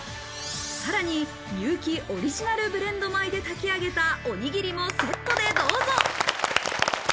さらに有機オリジナルブレンド米で炊き上げたおにぎりもセットでどうぞ。